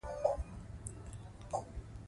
پښتو ژبه زموږ د ژوند تر ټولو لویه برخه ده.